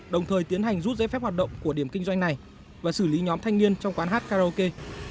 đồng thời tiến hành rút giấy phép hoạt động của điểm kinh doanh này và xử lý nhóm thanh niên trong quán hát karaoke